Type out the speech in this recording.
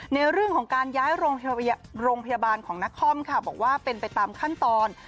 นครค่ะบอกว่าเป็นไปตามขั้นตอน